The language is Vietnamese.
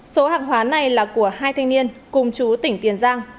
số hàng hóa này là của hai thanh niên cùng chú tỉnh tiền giang